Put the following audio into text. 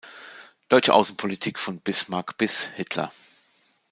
Deutsche Außenpolitik von Bismarck bis Hitler".